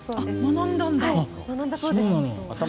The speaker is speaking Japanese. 学んだんだ。